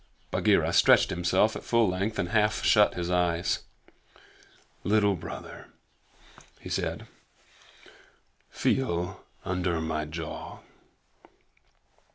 Bagheera stretched himself at full length and half shut his eyes. "Little Brother," said he, "feel under my jaw."